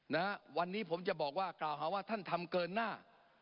นะฮะวันนี้ผมจะบอกว่ากล่าวหาว่าท่านทำเกินหน้า